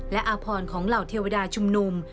และอาพรของเหล่าเทวดาชุมนุม